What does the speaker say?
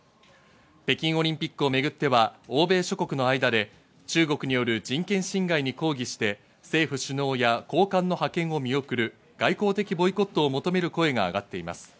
北京オリンピックをめぐっては欧米諸国の間で中国による人権侵害に抗議して、政府首脳や高官の派遣を見送る外交的ボイコットを求める声が上がっています。